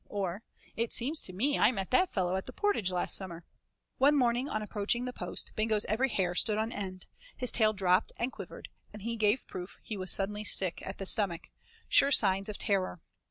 or "It seems to me I met that fellow at the Portage last summer." One morning on approaching the post Bingo's every hair stood on end, his tail dropped and quivered, and he gave proof that he was suddenly sick at the stomach, sure signs of terror.